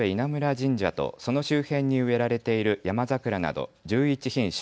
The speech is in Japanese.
神社とその周辺に植えられているヤマザクラなど１１品種